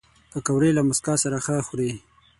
پکورې له موسکا سره ښه خوري